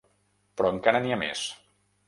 Però encara n’hi ha més.